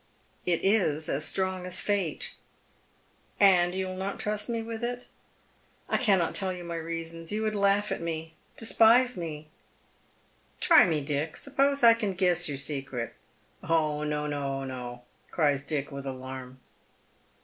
" It is as strong as fate." " And you ^vill not trust me with it ?"" I cannot tell you my reasons. You would laugh at mo, despise me." '■ Try me, Dick. Suppose I can guess your secret" "Oh no, no! " cries Dick, with alarm.